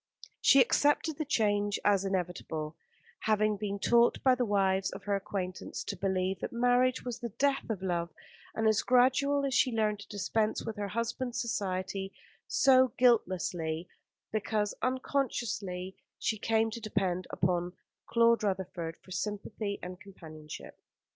She accepted the change as inevitable, having been taught by the wives of her acquaintance to believe that marriage was the death of love, and as gradually as she learned to dispense with her husband's society, so guiltlessly, because unconsciously, she came to depend upon Claude Rutherford for sympathy and companionship.